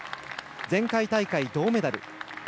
前回大会、銅メダル。